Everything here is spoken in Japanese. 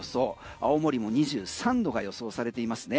青森も２３度が予想されていますね。